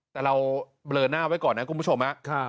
แต่เราเบลอหน้าไว้ก่อนนะคุณผู้ชม